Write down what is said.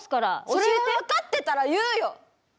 それが分かってたら言うよ。